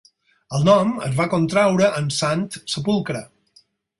El nom es va contraure en Sant Sepulcre.